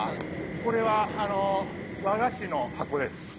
これはあの和菓子の箱です